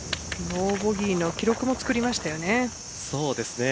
ノーボギーの記録もつくりました。